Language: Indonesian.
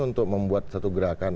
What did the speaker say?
untuk membuat satu gerakan